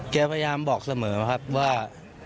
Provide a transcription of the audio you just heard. แกพยายามบอกเสมอว่า